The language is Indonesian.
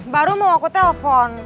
baru mau aku telpon